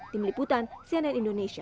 tim liputan cnn indonesia